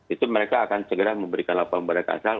itu mereka akan segera memberikan laporan kepada kasal